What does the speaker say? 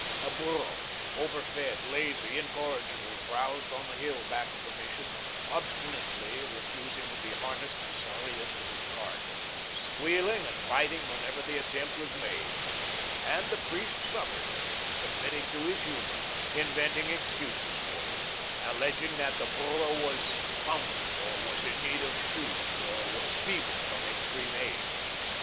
A burro, over fed, lazy, incorrigible, browsed on the hill back of the Mission, obstinately refusing to be harnessed to Sarria's little cart, squealing and biting whenever the attempt was made; and the priest suffered him, submitting to his humour, inventing excuses for him, alleging that the burro was foundered, or was in need of shoes, or was feeble from extreme age.